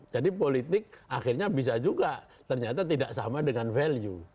jadi politik akhirnya bisa juga ternyata tidak sama dengan value